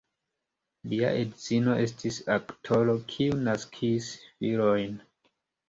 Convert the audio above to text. Lia edzino estis aktoro, kiu naskis filojn.